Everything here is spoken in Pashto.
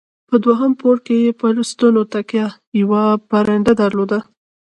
په دوهم پوړ کې یې پر ستنو تکیه، یوه برنډه درلوده.